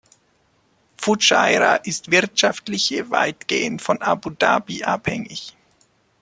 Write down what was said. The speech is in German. Fudschaira ist wirtschaftliche weitgehend von Abu Dhabi abhängig.